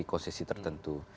nano kosesi tertentu